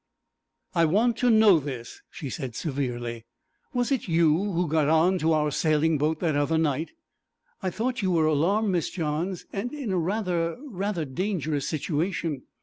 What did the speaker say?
'I want to know this' (severely), 'Was it you who got on to our sailing boat that other night?' 'I thought you were alarmed, Miss Johns, and in a rather rather dangerous situation.'